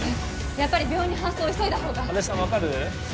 やっぱり病院に搬送を急いだほうが足立さん分かる？